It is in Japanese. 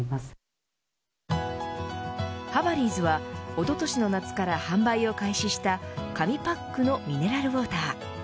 おととしの夏から販売を開始した紙パックのミネラルウォーター。